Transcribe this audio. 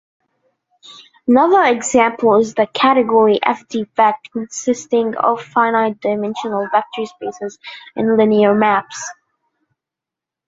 Another example is the category FdVect, consisting of finite-dimensional vector spaces and linear maps.